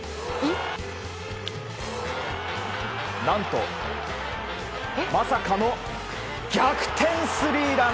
何と、まさかの逆転スリーラン！